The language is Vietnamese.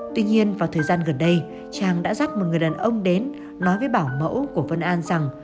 tuy nhiên vào thời gian gần đây trang đã dắt một người đàn ông đến nói với bảo mẫu của vân an rằng